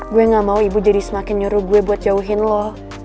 gue gak mau ibu jadi semakin nyuruh gue buat jauhin loh